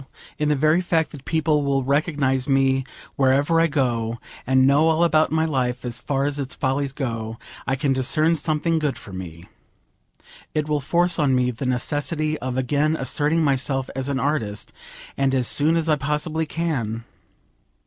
Still, in the very fact that people will recognise me wherever I go, and know all about my life, as far as its follies go, I can discern something good for me. It will force on me the necessity of again asserting myself as an artist, and as soon as I possibly can.